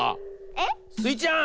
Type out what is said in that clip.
えっ？スイちゃん。